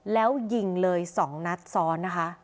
แล้วยิงเลยสองนัดซ้อน